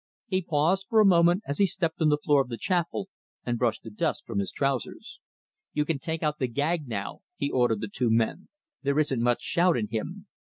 He paused for a moment as he stepped on the floor of the chapel, and brushed the dust from his trousers. "You can take out the gag now," he ordered the two men. "There isn't much shout in him."